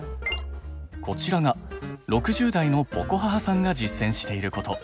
こちらが６０代のｐｏｃｏｈａｈａさんが実践していること。